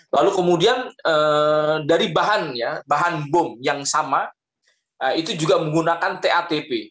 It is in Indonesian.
lalu kemudian dari bahan ya bahan bom yang sama itu juga menggunakan tatp